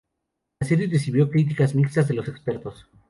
La serie recibió críticas mixtas de los expertos.